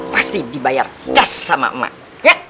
pasti dibayar kes sama mak mak